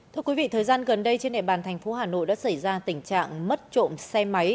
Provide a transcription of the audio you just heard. thưa quý vị thời gian gần đây trên địa bàn thành phố hà nội đã xảy ra tình trạng mất trộm xe máy